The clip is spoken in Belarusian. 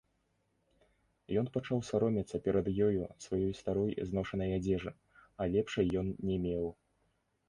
Ён пачаў саромецца перад ёю сваёй старой зношанай адзежы, а лепшай ён не меў.